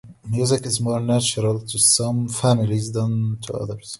Music is more natural to some families than to others.